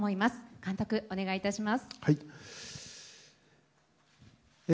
監督、お願いいたします。